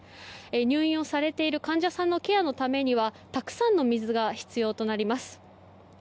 入院をされている患者さんのケアのためにはたくさんの水が必要となります。